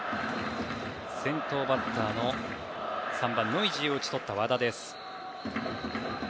先頭バッターの３番、ノイジーを打ち取った和田。